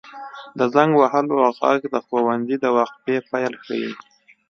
• د زنګ وهلو ږغ د ښوونځي د وقفې پیل ښيي.